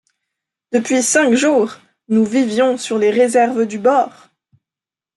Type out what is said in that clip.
Depuis cinq jours, nous vivions sur les réserves du bord !